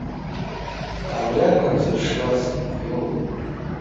Абри акәын дзыршуаз, иоуит.